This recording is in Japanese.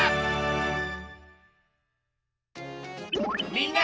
みんな！